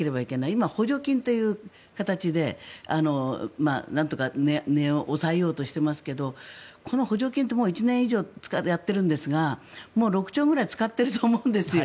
今、補助金という形でなんとか値を抑えようとしてますがこの補助金ってもう１年以上やっているんですがもう６兆ぐらい使っていると思うんですよ。